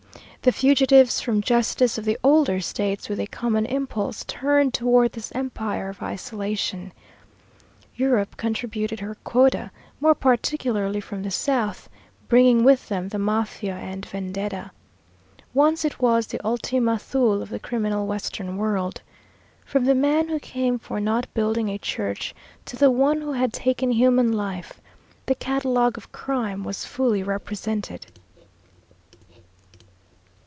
The fugitives from justice of the older States with a common impulse turned toward this empire of isolation. Europe contributed her quota, more particularly from the south, bringing with them the Mafia and vendetta. Once it was the Ultima Thule of the criminal western world. From the man who came for not building a church to the one who had taken human life, the catalogue of crime was fully represented.